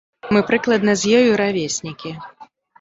Мы прыкладна з ёю равеснікі.